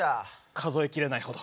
数え切れないほど。